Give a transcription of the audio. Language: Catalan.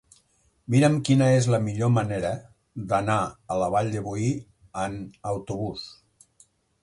Mira'm quina és la millor manera d'anar a la Vall de Boí amb autobús.